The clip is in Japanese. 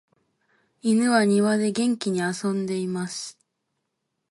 犬は庭で元気に遊んでいます。